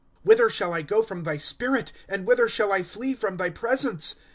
Google PSALMS. ^ Whither shall I go fi oin thy spirit? And whither shall 1 flee from thy presence